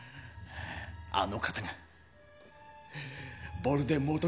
あの方がヴォルデモート